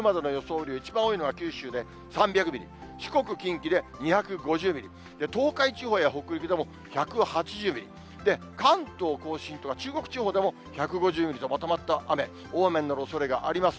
雨量、一番多いのが九州で３００ミリ、四国、近畿で２５０ミリ、東海地方や北陸でも１８０ミリ、で、関東甲信とか中国地方でも１５０ミリとまとまった雨、大雨になるおそれがあります。